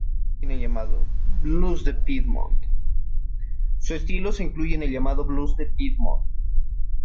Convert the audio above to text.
Su estilo se incluye en el llamado Blues de Piedmont.